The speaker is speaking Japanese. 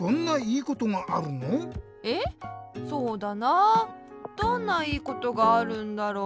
そうだなあどんないいことがあるんだろう？